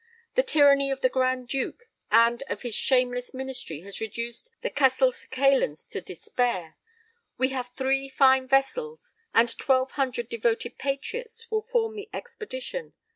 The tyranny of the Grand Duke and of his shameless Ministry has reduced the Castelcicalans to despair. We have three fine vessels; and twelve hundred devoted patriots will form the expedition.